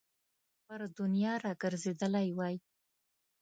پر دنیا را ګرځېدلی وای.